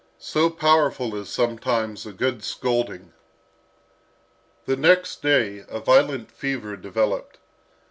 So powerful is sometimes a good scolding! The next day a violent fever developed.